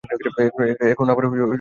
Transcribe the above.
এখন আবার তুমি চলে যাচ্ছ।